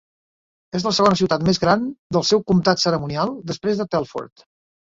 És la segona ciutat més gran del seu comtat cerimonial, després de Telford.